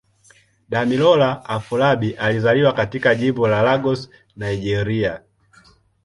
Damilola Afolabi alizaliwa katika Jimbo la Lagos, Nigeria.